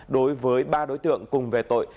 đối với ba đối tượng cùng về tội